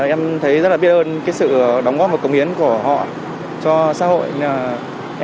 em thấy rất là biết ơn sự đóng góp và cống hiến của họ cho xã hội